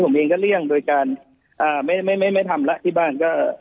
ผมเองก็เลี่ยงโดยการอ่าไม่ไม่ทำแล้วที่บ้านก็